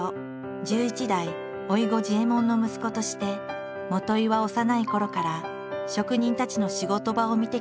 １１代老子次右衛門の息子として元井は幼いころから職人たちの仕事場を見てきたという。